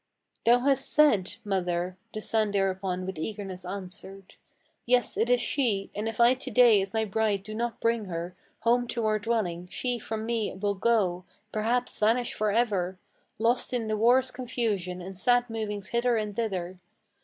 "Thou has said, mother!" the son thereupon with eagerness answered. "Yes, it is she; and if I to day as my bride do not bring her Home to our dwelling, she from me will go, perhaps vanish for ever, Lost in the war's confusion and sad movings hither and thither.